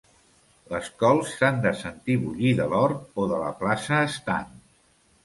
Les cols s'han de sentir bullir de l'hort o de la plaça estant.